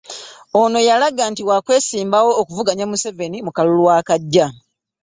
Ono yalaga nti wa kwesimbawo okuvuganya Museveni mu kalulu akajja.